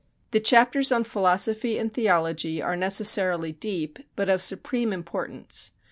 The chapters on philosophy and theology are necessarily deep, but of supreme importance.